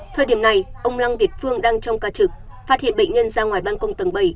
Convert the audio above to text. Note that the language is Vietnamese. thời điểm này ông lăng việt phương đang trong ca trực phát hiện bệnh nhân ra ngoài ban cung tầng bảy